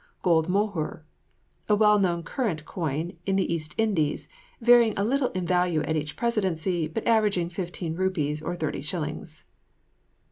GOLD MOHUR. A well known current coin in the East Indies, varying a little in value at each presidency, but averaging fifteen rupees, or thirty shillings.